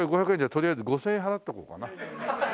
とりあえず５０００円払っとこうかな。